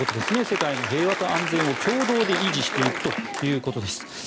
世界の平和と安全を共同で維持していくということです。